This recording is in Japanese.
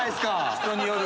人による。